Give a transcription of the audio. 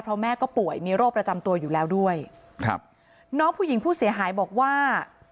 เพราะแม่ก็ป่วยมีโรคประจำตัวอยู่แล้วด้วยครับน้องผู้หญิงผู้เสียหายบอกว่า